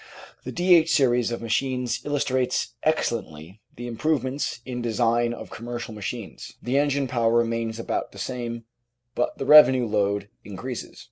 The D.H. series of machines illustrate excellently the improvements in design of commercial machines; the engine power remains about the same, but the revenue load increases.